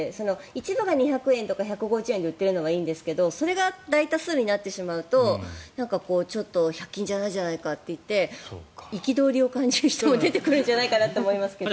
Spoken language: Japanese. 一部が２００円とか１５０円で売ってるのはいいんですがそれが大多数になってしまうとちょっと１００均じゃないじゃないかと言って憤りを感じる人も出てくるのではと思いますが。